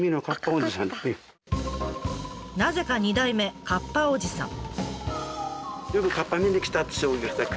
なぜか２代目かっぱおじさん。